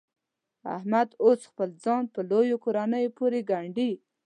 احمد اوس خپل ځان په لویو کورنیو پورې ګنډي.